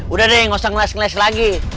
udah deh nggak usah ngeles ngeles lagi